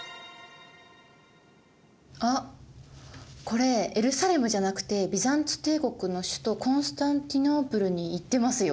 あっこれエルサレムじゃなくてビザンツ帝国の首都コンスタンティノープルに行ってますよ？